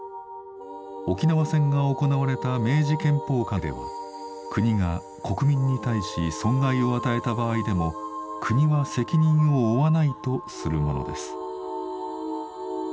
沖縄戦が行われた明治憲法下では国が国民に対し損害を与えた場合でも国は責任を負わないとするものです。